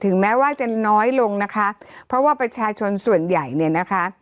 แม้ว่าจะน้อยลงนะคะเพราะว่าประชาชนส่วนใหญ่เนี่ยนะคะ